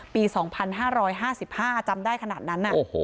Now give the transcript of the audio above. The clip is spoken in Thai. ปี๒๕๕๕จำได้ขนาดนั้น